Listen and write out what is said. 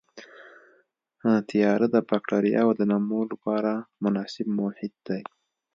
تیاره د بکټریاوو د نمو لپاره مناسب محیط دی.